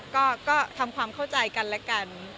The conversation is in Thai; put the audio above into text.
ก็ทำความเข้าใจกันและกัน